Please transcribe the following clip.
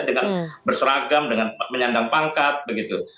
dengan berseragam dengan menyandang pangkat begitu